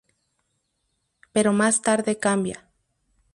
Pero más tarde cambia.